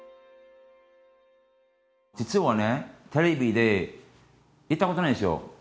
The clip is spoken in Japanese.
実はねテレビで言ったことないんですよ。